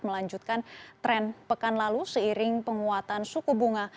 melanjutkan tren pekan lalu seiring penguatan suku bunga